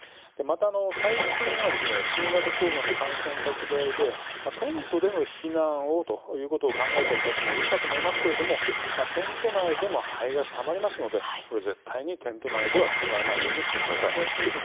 最近は新型コロナの感染拡大でテントでの避難を考えている方もいるかと思いますがテント内でも排ガスはたまりますので絶対にテント内では使わないでください。